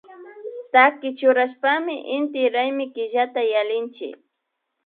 Chaki churashpami inti raymi killata yallinchik